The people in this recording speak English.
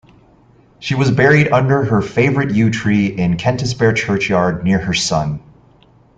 She was buried under her favourite yew tree in Kentisbeare churchyard, near her son.